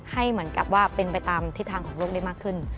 ให้เหมือนกับว่าเป็นไปตามทิศทางของโลกได้มากขึ้น